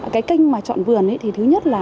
cái kênh mà chọn vườn thì thứ nhất là